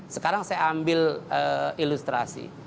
sekarang saya ambil ilustrasi